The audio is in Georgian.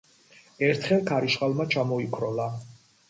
ერთხელ ქარიშხალმა ჩამოიქროლა.